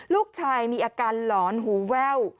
ลูกชายมีอาการหลอนหูแว่ว